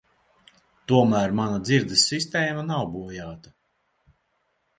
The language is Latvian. Tomēr mana dzirdes sistēma nav bojāta.